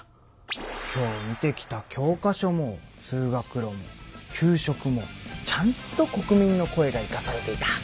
今日見てきた教科書も通学路も給食もちゃんと国民の声がいかされていた。